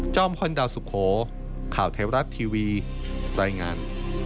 พลดาวสุโขข่าวไทยรัฐทีวีรายงาน